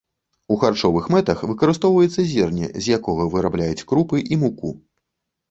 У харчовых мэтах выкарыстоўваецца зерне, з якога вырабляюць крупы і муку.